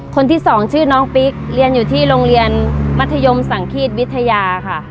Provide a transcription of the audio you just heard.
คนที่สองชื่อน้องปิ๊กเรียนอยู่ที่โรงเรียนมัธยมสังขีดวิทยาค่ะ